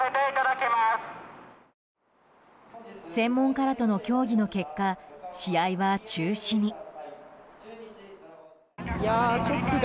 専門家らとの協議の結果試合は中止に。